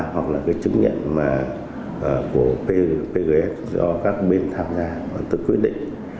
hoặc là chứng nhận của pgs do các bên tham gia và tự quyết định